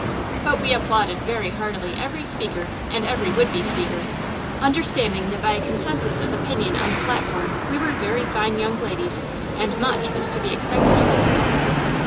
But we applauded very heartily every speaker and every would be speaker, understanding that by a consensus of opinion on the platform we were very fine young ladies, and much was to be expected of us.